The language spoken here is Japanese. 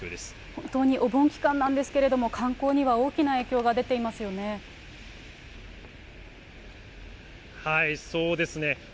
本当にお盆期間なんですけれども、観光には大きな影響が出てそうですね。